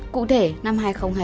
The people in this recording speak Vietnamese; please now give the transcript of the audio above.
cụ thể năm hai nghìn hai mươi một